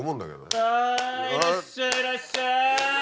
さぁいらっしゃいいらっしゃい。